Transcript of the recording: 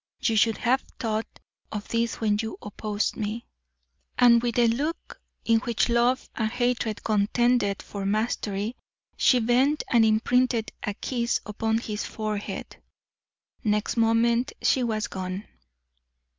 You should have thought of this when you opposed me." And with a look in which love and hatred contended for mastery, she bent and imprinted a kiss upon his forehead. Next moment she was gone.